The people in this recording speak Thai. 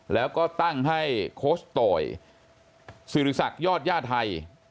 แล้วก็ตั้งให้โค้ชโตยสิริษักยอดย่าไทย